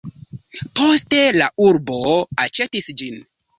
Poste la urbo aĉetis ĝin.